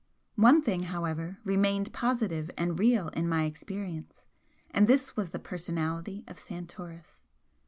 One thing, however, remained positive and real in my experience, and this was the personality of Santoris.